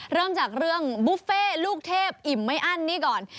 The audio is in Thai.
เริ่มจากเรื่องบุฟเฟ่ลูกเทพออิ่มไม่อั้นนี่ก่อน